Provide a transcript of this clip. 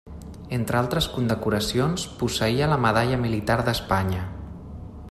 Entre altres condecoracions, posseïa la Medalla Militar d'Espanya.